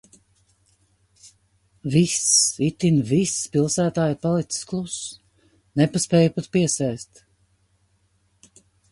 Viss, itin viss pilsētā ir palicis kluss. Nepaspēju pat piesēst.